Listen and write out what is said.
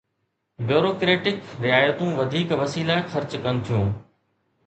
Bureaucratic رعايتون وڌيڪ وسيلا خرچ ڪن ٿيون.